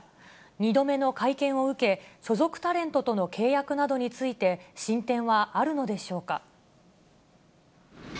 ２度目の会見を受け、所属タレントとの契約について、進展はあるのでしょうか。